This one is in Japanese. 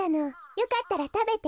よかったらたべて。